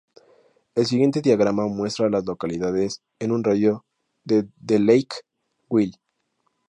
El siguiente diagrama muestra a las localidades en un radio de de Lake Wylie.